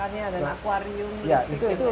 belum pangkangnya belum aquarium